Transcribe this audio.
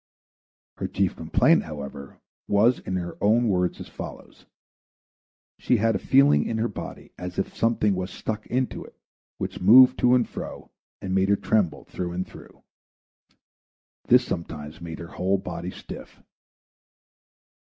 Her chief complaint, however, was in her own words as follows: She had a feeling in her body as if something was stuck into it which moved to and fro and made her tremble through and through. This sometimes made her whole body stiff.